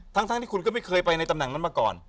ทั้งที่คุณก็ไม่เคยไปในตำแหน่งนั้นมาก่อน